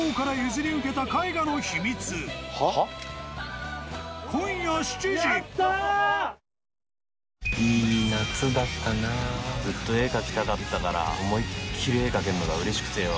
ずっと絵描きたかったから思い切り絵描けるのうれしくてよ。